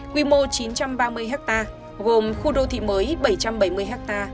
quy mô chín trăm ba mươi ha gồm khu đô thị mới bảy trăm bảy mươi ha